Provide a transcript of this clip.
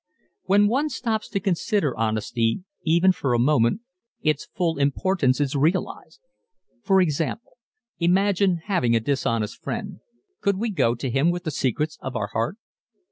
When one stops to consider honesty, even for a moment, its full importance is realized. For example, imagine having a dishonest friend. Could we go to him with the secrets of our heart?